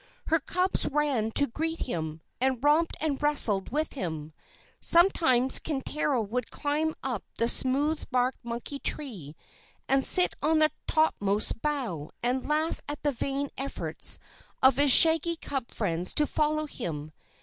Her cubs ran to greet him, and romped and wrestled with him. Sometimes Kintaro would climb up the smooth barked monkey tree, and sit on the topmost bough, and laugh at the vain efforts of his shaggy cub friends to follow him.